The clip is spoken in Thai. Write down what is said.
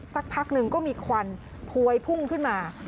สักพักหนึ่งก็มีควันพวยพุ่งขึ้นมา